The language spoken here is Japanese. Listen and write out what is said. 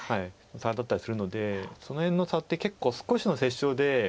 差だったりするのでその辺の差って結構少しの折衝で。